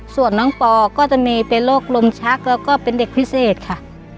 ส่วนน้องปอก็จะมีเป็นโรคลมชักแล้วก็เป็นเด็กพิเศษค่ะ